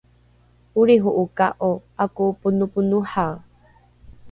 olriho’oka’o ’ako’oponoponohae?